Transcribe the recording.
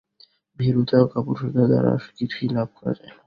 ভীরুতা ও কাপুরুষতা দ্বারা কিছুই লাভ করা যায় না।